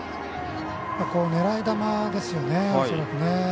狙い球ですよね、恐らく。